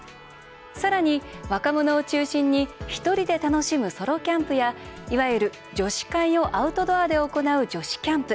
さらに、若者を中心に１人で楽しむソロキャンプやいわゆる女子会をアウトドアで行う女子キャンプ